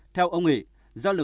theo ông nghị do lượng người về quê